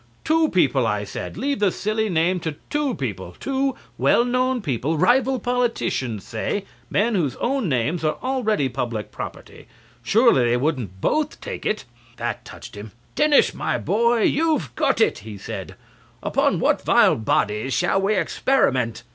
"Two people," I said; "leave the same silly name to two people, two well known people, rival politicians, say, men whose own names are already public property. Surely they wouldn't both take it." That touched him. "Denis, my boy, you've got it," he said. "Upon what vile bodies shall we experiment?"